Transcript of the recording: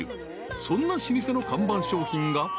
［そんな老舗の看板商品が］